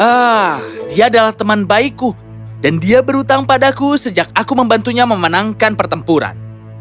ah dia adalah teman baikku dan dia berhutang padaku sejak aku membantunya memenangkan pertempuran